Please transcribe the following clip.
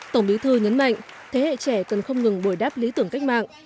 tổng bí thư nhấn mạnh thế hệ trẻ cần không ngừng bồi đáp lý tưởng cách mạng